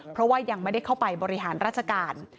เพราะว่ายังไม่ได้เข้าไปบริหารราชการ